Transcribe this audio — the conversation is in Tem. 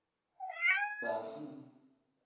Baafu.